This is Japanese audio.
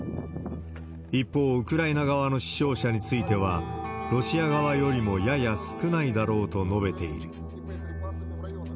一方、ウクライナ側の死傷者については、ロシア側よりもやや少ないだろうと述べている。